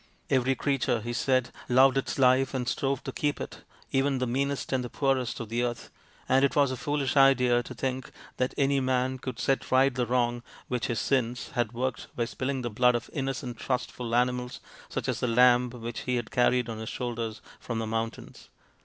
Every creature, he said, loved its life and strove to keep it, even the meanest and poorest of the earth, and it was a foolish idea to think that any man could set right the wrong which his sins had worked by spilling the blood of innocent trustful animals such as the lamb which he had carried on his shoulders from the mountains.